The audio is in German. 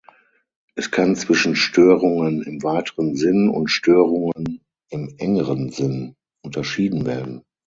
Es kann zwischen "Störungen im weiteren Sinn" und "Störungen im engeren Sinn" unterschieden werden.